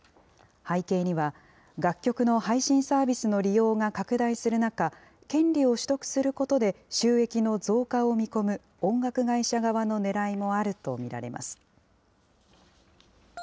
背景には、楽曲の配信サービスの利用が拡大する中、権利を取得することで、収益の増加を見込む音楽会社側のねらいもあると見られます。